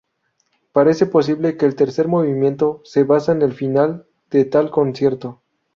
Parece posible que el tercer movimiento se base en el final de tal concierto.